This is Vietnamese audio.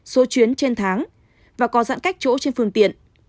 số chuyến trên tháng và có giãn cách chỗ trên phương tiện